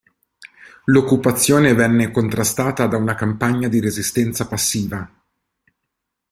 L'occupazione venne contrastata da una campagna di resistenza passiva.